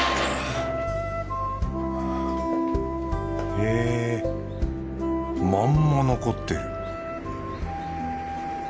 へぇまんま残ってる